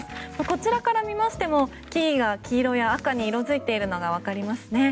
こちらから見ましても木々が黄色や赤に色付いているのがわかりますね。